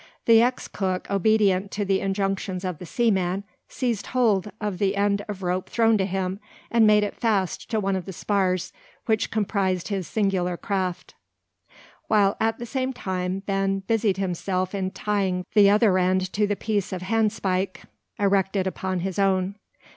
The ex cook, obedient to the injunctions of the seaman, seized hold of the end of rope thrown to him, and made it fast to one of the spars which comprised his singular craft; while at the same time Ben busied himself in tying the other end to the piece of handspike erected upon his own.